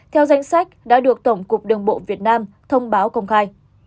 theo danh sách đã được tổng cục đường bộ việt nam thông báo công khai